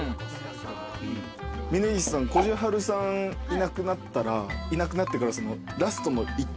峯岸さんこじはるさんいなくなったらいなくなってから。